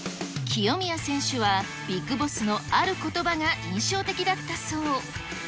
清宮選手は、ビッグボスのあることばが印象的だったそう。